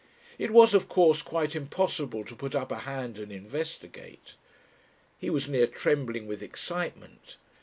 It was of course quite impossible to put up a hand and investigate. He was near trembling with excitement.